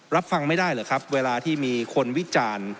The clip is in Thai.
รับฟังไม่ได้เหรอครับเวลาที่มีคนวิจารณ์